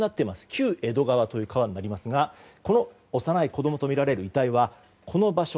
旧江戸川という川ですが幼い子供とみられる遺体はこの場所